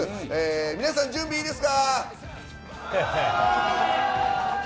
皆さん準備いいですか？